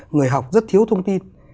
người học rất thiếu thông tin